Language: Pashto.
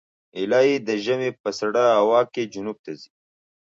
هیلۍ د ژمي په سړه هوا کې جنوب ته ځي